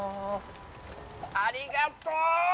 ありがとう